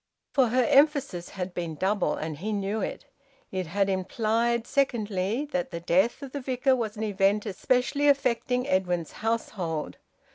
For her emphasis had been double, and he knew it. It had implied, secondly, that the death of the Vicar was an event specially affecting Edwin's household.